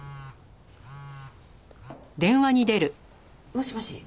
もしもし。